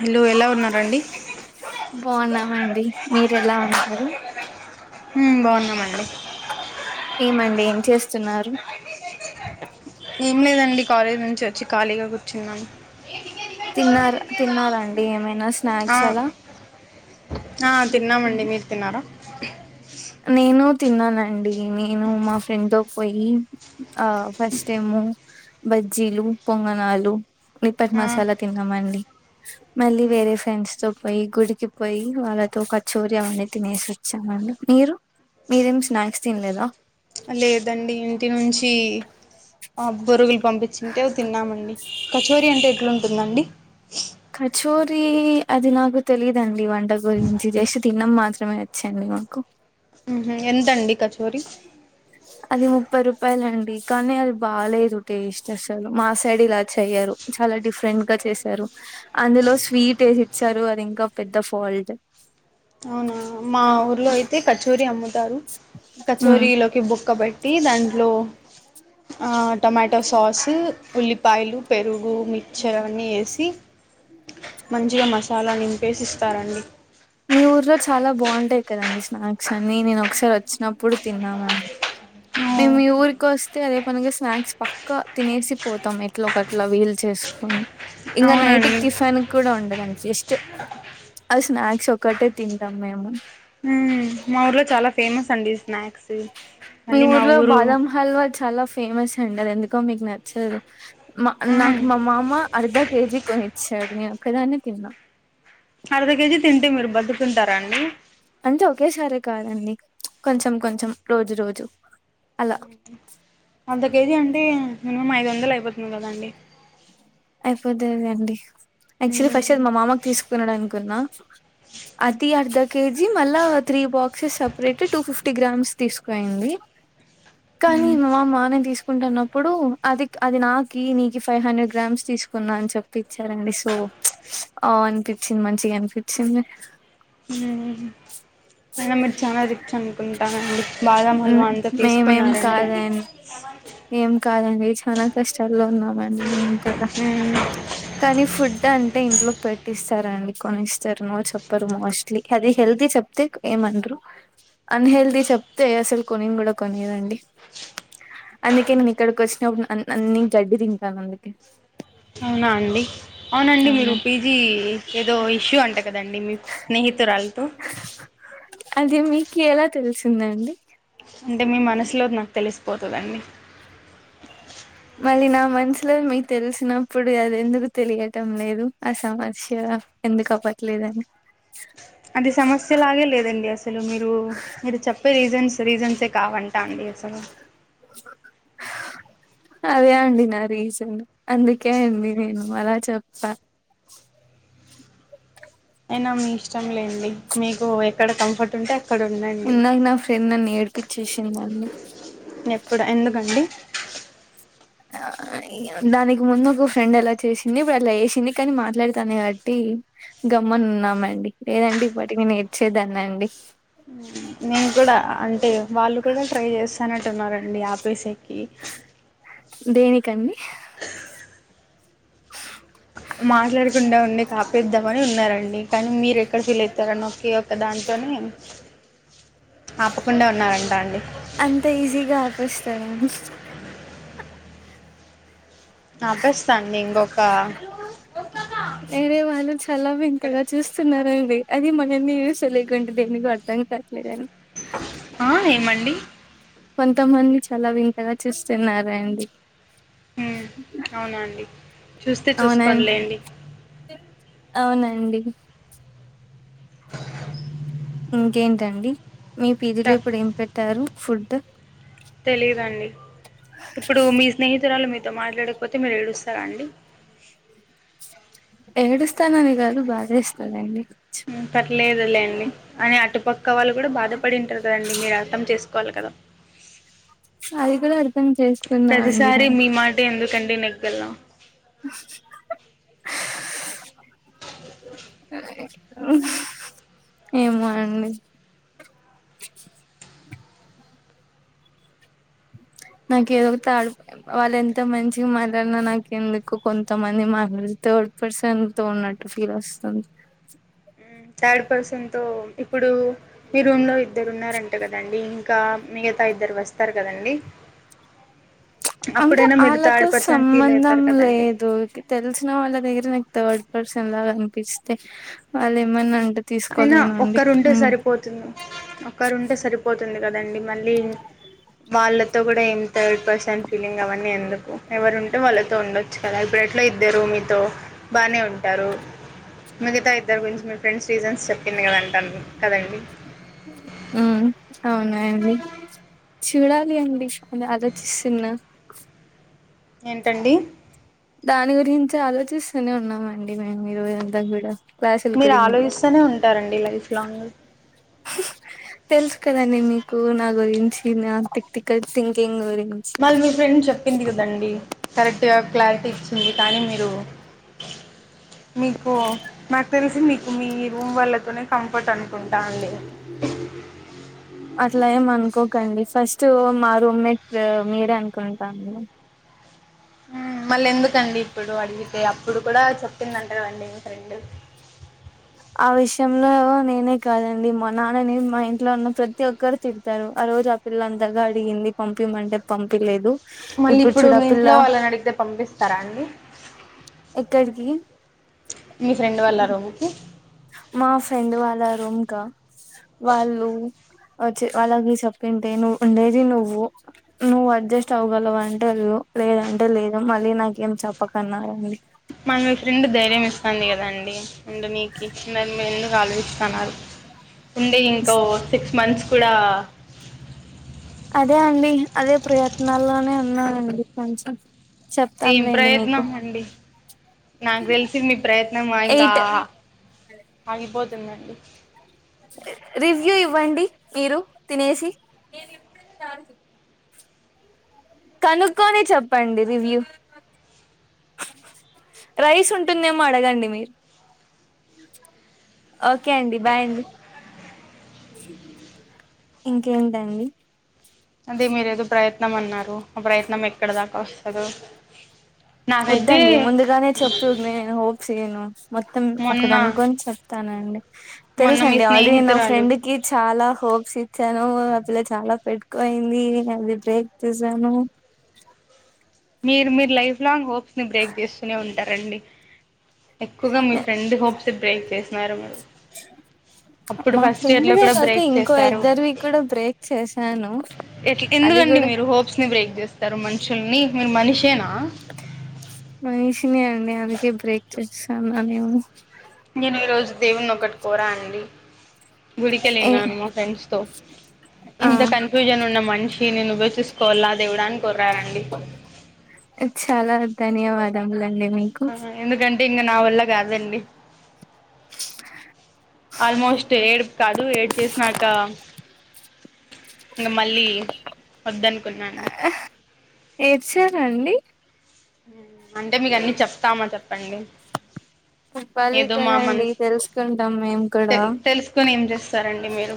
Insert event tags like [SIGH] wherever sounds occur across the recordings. Hello ఎలా ఉన్నారండి. బాగున్నామండి మీరు ఎలా ఉన్నారు? ఉమ్ బాగున్నామండి. ఏమండి ఏం చేస్తున్నారు ఏం లేదండి కాలేజీ నుంచి వచ్చి ఖాళీగా కూర్చున్నాం. తిన్నార తిన్నారండి ఏమైనా ఆ స్నాక్స్ అలా ఆ తిన్నామండి మీరు తిన్నారా నేను తిన్నానండి నేను మా ఫ్రెండ్ తో పోయి ఆ ఫస్ట్ ఏమో బ జ్జీలు పొంగనాలు నిప్పటి ఆ మసాలా తిన్నామండి. మళ్ళీ వేరే ఫ్రెండ్స్ తో పోయి గుడికి పోయి వాళ్ళతో కచోరి అవన్నీ తినేసి వ చ్చామండి మీరు మీరేమి స్నాక్స్ తినలేదా లేదండి ఇంటి నుంచి ఆ బొరుగులు పంపి చింటెల్ తిన్నామండి కచోరీ అంటే ఎట్లుంటుందండి చోరీ అది నాకు తెలీదండి వంట గురించి చేసి తినం మాత్రమే వచ్చాండి మాకు ఉహు ఎంతండి కచోరీ అది ముప్పై రూపాయల అండి కానీ అది బాలేదు టేస్ట్ అసలు మా సైడ్ ఇలా చెయ్యరు చాలా డిఫరెంట్ గా చేసారు అందులో స్వీట్ వేసి ఇచ్చారు అది ఇంకా పెద్ద ఫాల్ట్ [INAUDIBLE] మా ఊర్లో అయితే కచోరీ అమ్ముతారు ఉమ్ కచోరీలోకి బుక్క బెట్ టిస్ అందులో ఆ టొమాటోస్ కోసి ఉల్లిపాయలు పెరుగు మిక్చర్ అన్నీ వేసి మంచిగా మసాలా నింపేసి ఇస్తారండి మీ ఊర్లో చాలా బాగుంటాయి కదండి స్నాక్స్ అన్ని నేను ఒకసారి వచ్చినప్పుడు తిన్నామండి మేము మీ ఊరికి వస్తే అదే పనుగా స్నాక్స్ పక్కా తినేసి పోతాం ఎట్ల ఒకట్లా వీలు చేస్ ఇంకా నైట్ అవునండి టిఫిన్ కూడా ఉండధన్ జస్ట్ అ స్నాక్స్ కట్టే తింటాం మేము మ్మ్ మా ఊర్లో చాలా ఫేమస్ అండి స్నాక్స్ మీ మళ్ళీ మా ఊర్లో ఊరు బాదం హల్వా చాలా ఫేమస్ అండి అది ఎందుకో మీకు నచ్చదు మా మ్మ్ నాకు మా మామ అర్ధ కేజీ కొనిచ్చాడు నేను ఒకదానే తిన్నా అర్ధ కేజీ తింటే మీరు బతుకుంటారాండి అంటే ఒకేసారే కాదండి కొంచెం కొంచెం రోజు రోజు అలా అర్ధ కేజీ అంటే మినిమం ఐదు వందలు అయిపోతుంది కదండి అయిపోతదండి యాక్చువల్లీ ఫస్ట్ అది మ్మ్ మా మామకు తీసుకున్నాడు అనుకున్నా అది అర్ధ కేజీ మళ్ళా three boxes separate two fifty grams తీసుకుయింది కానీ మ్మ్ మా మానే తీస్ కుంటున్నప్పుడు అది అది నాకి నీకి ఫైవ్ హండ్రెడ్ గ్రామ్స్ తీసుకున్న అని చెప్పి వచ్చారండి సో ఆ అనిపించింది మంచిగా అనిపించింది ఉహు నేను మీరు చాలా రిచ్ అనుకుంటానడి బాదమలు అంతా మేమేం తీసుకున్నారంటే కాదండి ఏం కాదండి చనా కష్టాల్లో ఉన్నా మ ఇంకా మ్మ్ కానీ ఫుడ్ అం టె ఇంట్లో పెట్టిస్తారుండి కొనిస్తారు నో చెప్పరు మోస్ట్లీ అది హెల్తీ చెప్తే ఏమన్రూ అన్హెల్దీ చెప్తే అసలు కొనింకూడ కొనియదండి అందుకే నేను ఇక్కడికి వచ్చినప్పుడు నీన్ గడ్డి తింటాను అందుకే అవునా అండి అవునండి మీరు అవునా పీజీ ఏదో ఇష్యూ అంట కదండి మీ స్నేహితురా రాళ్తో అది మీకెలా తెలిసిందండి అంటే మీ మనసులో నాకు తెలిసిపోతదండి మళ్ళీ నా మనసులో మీకు తెలిసినప్పుడు అది ఎందుకు తెలియటం లేదు ఆ సమస్య ఎందుకు అవట్లేదని అ అది సమస్యలాగే లేదండి అసలు మీరు మీరు చెప్పే రీజన్స్ రీజన్సే కావంటా అండి [UNINTELLIGIBLE] అదే అండి నా రీజన్ అందుకే అండి నేను అలా చెప్పా [INAUDIBLE] అయినా మీ ఇష్టంలేండి మీకు ఎక్కడ కంఫర్ట్ ఉంటే అక్ అక్కడుడండి ఇందాక నా ఫ్రెండ్ నన్ను ఏడిపిచ్చేసిందండి న ఎప్పుడ ఎందుకండి ఆ ఇగా దానికి ముందు ఒక ఫ్రెండ్ అలా చేసింది ఇప్పుడు అట్ల ఎశింది కాని మాట్లాడతానే కాట్టి గమ్మున్ ఉన్నామండి లేదంటే ఇప్పటికిని నేడ్చేదాన్ని అండి ఉ నేను కూడా అంటే వాళ్ళు కూడా ట్రై చేస్తానట్టున్నారండి ఆపేసేకి దేనికన్ని మాట్లాడకుండా ఉండి కాపేద్దామని ఉన్నారండి కానీ మీరు ఎక్కడ ఫీల్ అయితరో అని ఒకే ఒక దాంట్ కొని ఆపకుండా ఉన్నారంటా అండి అంత ఈజీగా ఆపెస్తార నపెస్తా అండి ఇంకొక మే బీ వాళ్ళు చాలా వింతగా చూస్తున్నారండి అది [UNINTELLIGIBLE] దేనికో అర్థం కావట్లేదని ఆ ఏమండి కొంతమంది చాలా వింతగా చూస్తున్నారండి ఉ అవునండి చూస్తే అవునండి చూసుకోనిలేండి అవునండి అ ఇంకేంటండి మీ పీజి లో చెప్ ఇప్పుడు ఏం పెట్టారు ఫుడ్ తెలిదండి ఇప్పుడు మీ స్నేహితురాలు మీతో మాట్లాడకపోతే మీరు ఏడుస్తార అండి ఎడుస్తానని గాదు బాదేస్తాదండి ఉమ్ పర్లేదులే అండి అయిన అటుపక్క వాళ్ళు కూడా బాధపడింటారు కదండి మీరు అర్థం చేసుకోవాలి కదా అది కూడా అర్థం చేసుకున్నా అండి ప్రతిసారి నేను మీ మాటె ఎందుకండి నెగ్గల్లా [INAUDIBLE] అ ఏమోనండి అ నాకు ఏదో త వాళ్ళు ఎంత మంచిగా మాట్లాడిన నాకు ఎందుకు కొంతమంది మాట్లాడితో పర్సన్ తో ఉన్నట్టు ఫీల్ వస్తుంది ఉమ్ థర్డ్ పర్సన్ తో ఇప్పుడు మీ రూమ్ లో ఇద్దరు ఉన్నారంట కదండి ఇంకా మీ మిగతా ఇద్దరు వస్తారు కదండి అంత అప్పుడైనా మీరు అళ్ళతో థర్డ్ పర్సన్ ఫీల్ సంబంధం అవుతారు కదండి లేదు తెలిసిన వాళ్ళ దగ్గర్నె నీక్ తోడ్ పర్సన్లాగానిపిస్తే వాళ్ళు ఏమన్నా అం అయినా ఒక్కరుంటే సరిపోతుంది ఒక్కరుంటే సరిపోతుంది కదండి మళ్ళీ వాళ్ళతో కూడా ఏం థర్డ్ పర్సన్ ఫీలింగ్ అవన్నీ ఎందుకు ఎవరు ఉంటే వాళ్ళతో ఉండొచ్చు కదా ఇప్పుడెట్ల ఇద్దరు మీతో బాగానే ఉంటారు మిగతా ఇద్దరు [UNINTELLIGIBLE] మీ ఫ్రెండ్స్ రీజన్స్ చెప్పింది కదాంటన్లు కదండి ఉమ్ అవునా అండి చూడాలి అండి అది ఆలోచిస్తున్న ఏంటండి దాని గురించే ఆలోచిస్తూనే ఉన్నామ [UNINTELLIGIBLE] క్లాస్ లు మీరు కుడి ముందు ఆలోచిస్తూనే ఉంటారండి లైఫ్ లాంగ్ తెలుసు కదండి మీకు నా గురించి నా ప్రిక్టికల్ థింకింగ్ గురిం మల్ మీ ఫ్రెండ్ చెప్పింది కదండి కరెక్ట్గా క్లారిటీ ఇచ్చింది కానీ మీరు [INAUDIBLE] మీకు నాకు తెలిసి మీకు మీ రూమ్ వాళ్లతోనే కంఫర్ట్ అనుకుంటా అండి [INAUDIBLE] అట్లా ఏమ్ అనుకోకండి ఫస్ట్ మా రూమ్మేట్ మీరే అనుకుంటాను మళ్ళి ఎందుకండి ఇప్పుడు అడిగితే అప్పుడు కూడా చెప్పింది అంటారు అండి ఫ్రెండ్ [INAUDIBLE] ఆ విషయంలో నేనే కాదండి మా నాన్నని మా ఇంట్లో ఉన్న ప్రతి ఒక్కరు తిడతారు అ రోజు ఆ పిల్ల అంతగా అడిగింది పంపిమంటే పంపీ లేదు మళ్ళి ఇప్పుడు మీ ఇంట్లో వాళ్ళని అడిగితే పంపిస్తారా అండి ఎక్కడికి మీ ఫ్రెండ్ వాళ్ళ రూమ్ కి మా ఫ్రెండ్ వాళ్ళ రూమ్ కా వాళ్ళు ఒచ్చి వాళ్ళ నీ సెప్పింతే నువ్ ఉండేది నువ్వు, నువ్వు అడ్జస్ట్ అవగలవు అంటే వెళ్ళు. లేదంటే లేదు మళ్ళీ నాకేం చెప్పకన్నారండి మళ్ మీ ఫ్రెండ్ ధైర్యం ఇస్తాంది గదా అండి ఉండనీకి నే మెందుకు ఆలోచిస్తాన్నారు ఉండే ఇంకో సిక్స్ మంత్స్ కుడా అదే అండి అదే ప్రయత్నాల్లోనే ఉన్నానండి కొంచెం ఏం చెప్తాంలేండి ప్రయత్నం మీకు అండి నాక్ తెలిసి నీ ప్రయత్నమా ఇంకా ఎయిట్ ఆహ ఆగిపోతుందండి రివ్యూ ఇవ్వండి మీరు తినేసి కనుక్కోని చెప్పండి రివ్యూ రైస్ ఉంటుందేమో అడగండి మీరు ఓకే అండి బాయ్ అండి ఇంకేంటండి అదే మీరు ఏదో ప్రయత్నం అన్నారు ఆ ప్రయత్నం ఎక్కడ దాకా ఒస్తదో ఒద్దండి ముందుగానే చెప్పు నేను హోప్స్ ఈయను మొత్తం మొన్న ఒకడనుకొని చెప్త తానండి మొన్న మీ తెలుసండి ఆల్రెడీ నా స్నేహితురాలు ఫ్రెండ్ కి చాలా హోప్స్ ఇచ్చానూ ఆ పిల్ల [INAUDIBLE] చాలా పెట్టుకుయింది అది బ్రేక్ చేసాను మీరు మీరు లైఫ్ లాంగ్ హోప్స్ ని బ్రేక్ జేస్సునే ఉంటారండి ఎక్కువగా మీ ఫ్రెండ్ హోప్స్ బ్రేక్ చేసినారు మీరు అప్పుడు మా ఫస్ట్ ఇయర్ ఫ్రెండ్ లో దే కూడా కాక బ్రేక్ ఇంకో చేశారు ఇద్దరివి కూడా బ్రేక్ చేశాను ఎట్ల్ అది ఎందుకండి కూడా మీరు హోప్స్ ని బ్రేక్ జేస్తారు మనుషుల్ని మీరు మనిషేనా మనిషినే అండి అందుకే బ్రేక్ చేసాన్న నేను నేను ఈ రోజు దేవున్ని ఒకటి కోరా అండి ఏ గుడికెళ్ళిన్నాను మా ఫ్రెండ్స్ తో ఆ ఇంత కన్ఫ్యూజన్ ఉన్న మనిషి ఈన్ని నువ్వే చసుకోవాల్లా దేవుడా అన్ చాలా ధన్యవాదములండి మీకు ఇంగ నా వల్ల గాదండి ఆల్మోస్ట్ ఏడుప్ కాదు ఏడ్చేసినాక ఇంగ మళ్ళీ ఒద్దనుకున్నా అండి ఏడ్సారా అండి అంటే మీకు అన్నీ చెప్తామా చెప్పండి చెప్పాలి ఏదో మా కదండి మనసు తెలుసుకుంటాం మేము తె కూడా తెలుసుకొని ఏం చేస్తారండి మీరు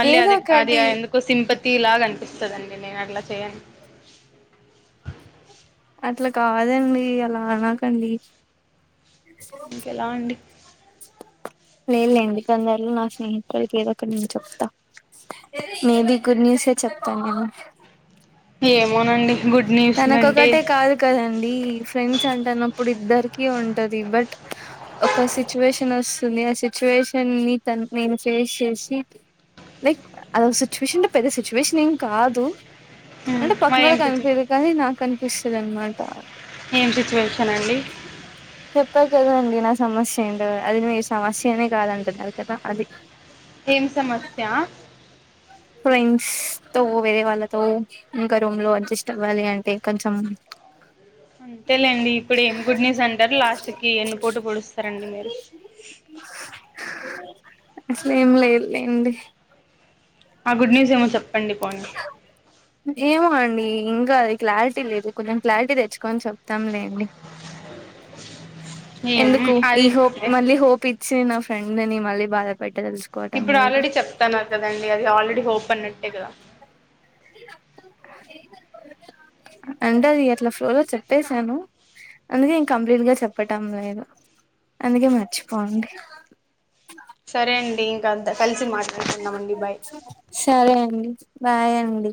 మళ్ళీ ఏదో అదె అది ఒకటి ఆ ఎందుకో సింపతి లాగా అనిపిస్ స్తదండి నేను అట్ల చేయన్ అట్లా కాదండీ అలా అనకండీ ఇంకెలా అండి లేలేండి తొందర్లో నా స్నేహితుల్కి ఏదో ఒకటి నేను చెప్తా మే బి గుడ్ న్యూసే చెప్తానేమొ ఏమోనండి గుడ్ న్యూస్లు అంటే తనకొకటే కాదు కదండి ఫ్రెండ్స్ అంట అన్నం ఇప్పుడు ఇద్దరికి ఉంటది బట్ ఒక సిచ్యువేషన్ వస్తుంది ఆ సిచ్యువేషన్ ని త నేను చేసేసి లైక్ అద ఒక సిచ్యువేషన్ అంటే పెద్ద సిచ్యువేషన్ ఏం కాదు అంటే మరి ఏం పక్క సిచ్యు అనిపియ్యది కానీ నాకు అనిపిస్తుంది అనమాట ఏం సిచ్యువేషన్ అండి చెప్పాను కదండీ నా సమస్య అండ్ అది సమస్యనే కాదంటన్నారు కథ అది ఏం సమస్య ఫ్రెండ్స్ తో వేరే వాళ్ళతో ఇంకా రూమ్ లో అడ్జస్ట్ అవ్వాలి అంటే కొంచెం అవునా అంతేలేండి ఇప్పుడు ఏం గుడ్ న్యూస్ అంటారు లాస్ట్ కి ఎన్నుపోటు పొడుస్తారండి మీరు పిల్లల సౌండ్ అసలే ఏం లేదు లేండి ఆ గుడ్ న్యూస్ ఏమో చెప్పు ఏమో అండి ఇంకా అది క్లారిటీ లేదు కొంచెం క్లారిటీ తెచ్చుకొని చెప్తాంలేండి ఏం ఎందుకు ఈ అది హోప్ మళ్ళీ హోప్ ఇచ్చిన నా ఫ్రెండ్ ని మళ్ళీ బాధపేట్ ఇప్పుడు ఆల్రెడీ చెప్తన్నారు కదండి అది ఆల్రెడీ హోప్ అన్నట్టే కదా అంట అది అట్లా ఫ్లోలో చెప్పేసాను అందుకే ఇంక కంప్లీట్ గా చెప్పటం లేదు అందుకే మర్చిపోవండి సరే అండి ఇంకా అంత కలిసి మాట్లాడుతుందమండి బాయ్ సరే అండి బాయ్ అండి